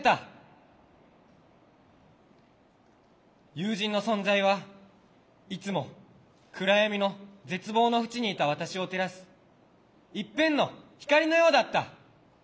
友人の存在はいつも暗闇の絶望のふちにいた私を照らす一片の光のようだった。